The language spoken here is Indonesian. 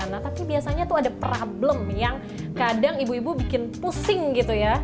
nah tapi biasanya tuh ada problem yang kadang ibu ibu bikin pusing gitu ya